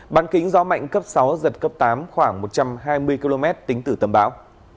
bán kính gió mạnh cấp sáu giật cấp tám khoảng một trăm hai mươi km tính từ tâm bão